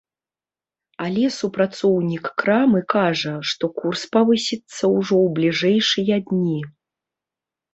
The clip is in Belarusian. Але супрацоўнік крамы кажа, што курс павысіцца ўжо ў бліжэйшыя дні.